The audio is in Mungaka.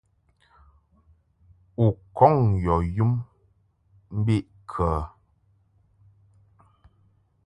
U kɔŋ yɔ yum mbiʼkə?